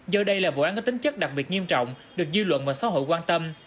giờ đây là vụ án có tính chất đặc biệt nghiêm trọng được dư luận và xã hội quan tâm